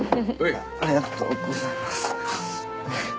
ありがとうございます。